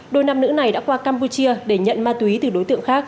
đôi nam nữ này đã qua campuchia để nhận ma túy từ đối tượng khác